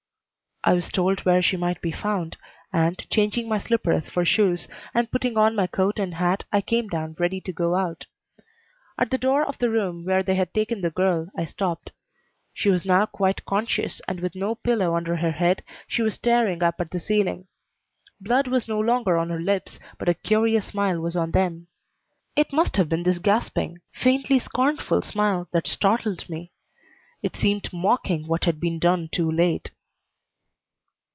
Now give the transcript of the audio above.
I was told where she might be found, and, changing my slippers for shoes, and putting on my coat and hat, I came down ready to go out. At the door of the room where they had taken the girl I stopped. She was now quite conscious, and with no pillow under her head she was staring up at the ceiling. Blood was no longer on her lips, but a curious smile was on them. It must have been this gasping, faintly scornful smile that startled me. It seemed mocking what had been done too late.